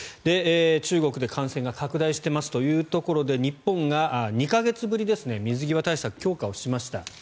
中国で感染が拡大していますというところで日本が２か月ぶりですね水際対策、強化をしました。